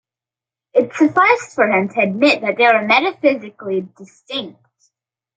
It sufficed for him to admit that they were metaphysically distinct.